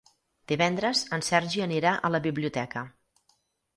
Divendres en Sergi anirà a la biblioteca.